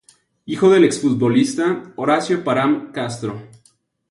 Hijo del ex futbolista Horacio Parham Castro.